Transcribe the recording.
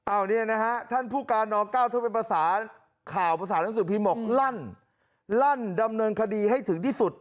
อ้าวเนี้ยนะฮะท่านผู้การน้องก้าวที่เป็นภาษาข่าวภาษานักศึกษ์ภีมกรรรดิดำเนินคดีให้ถึงที่สุด